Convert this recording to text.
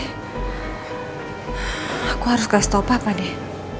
aku harus kasih tau pak deh